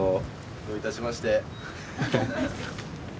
・どういたしまして。